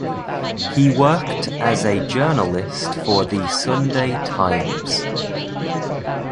He worked as a journalist for "The Sunday Times".